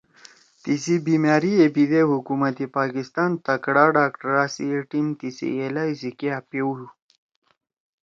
تِیسی بیماری ئے بیِدے حکومت پاکستان تکڑا ڈاکٹرا سی اے ٹیم تیِسی علاج سی کیا پیؤ